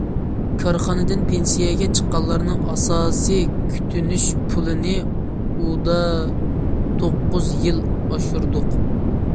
كارخانىدىن پېنسىيەگە چىققانلارنىڭ ئاساسىي كۈتۈنۈش پۇلىنى ئۇدا توققۇز يىل ئاشۇردۇق.